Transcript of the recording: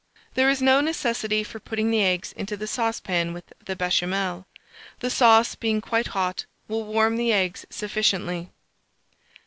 There is no necessity for putting the eggs into the saucepan with the Béchamel; the sauce, being quite hot, will warm the eggs sufficiently.